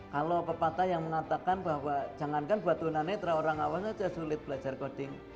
kalau pepatah yang mengatakan bahwa jangankan buat tunanetra orang awam saja sulit belajar coding